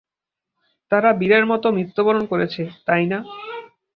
তারা বীরের মতো মৃত্যুবরণ করেছে, তাই না?